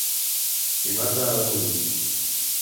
Qui mata ha de morir.